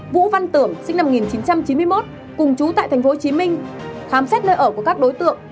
vũ văn tưởng sinh năm một nghìn chín trăm chín mươi một cùng chú tại tp hcm khám xét nơi ở của các đối tượng